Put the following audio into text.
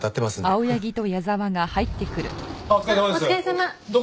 お疲れさまです。